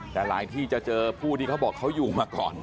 แต่หลายที่จะเจอผู้ที่เขาบอกเขาอยู่มาก่อน